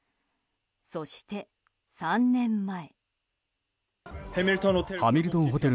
そして、３年前。